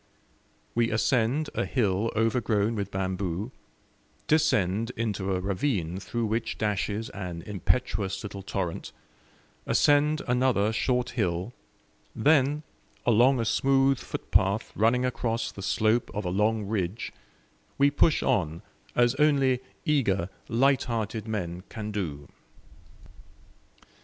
We ascend a hill overgrown with bamboo, descend into a ravine through which dashes an impetuous little torrent, ascend another short hill, then, along a smooth footpath running across the slope of a long ridge, we push on as only eager, lighthearted men can do.